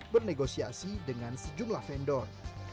bernegosiasi dengan sejumlah vendor